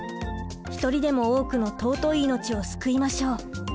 １人でも多くの尊い命を救いましょう。